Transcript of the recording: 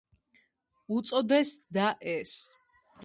უწოდეს და ეს